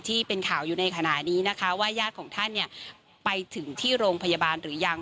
ที่เป็นข่าวอยู่ในขณะนี้นะคะว่าญาติของท่านเนี่ยไปถึงที่โรงพยาบาลหรือยัง